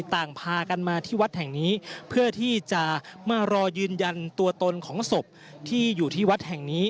ต่างพากันมาที่วัดแห่งนี้เพื่อที่จะมารอยืนยันตัวตนของศพที่อยู่ที่วัดแห่งนี้